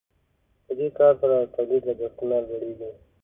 په دې کار سره د تولید لګښتونه لوړیږي.